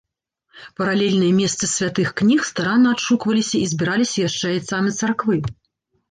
Паралельныя месцы святых кніг старанна адшукваліся і збіраліся яшчэ айцамі царквы.